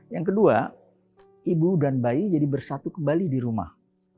yang kedua ibu dan bayi jadi bersatu kembali di rumah